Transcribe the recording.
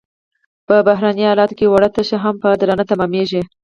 په بحراني حالاتو کې وړه تشه هم په درانه تمامېږي.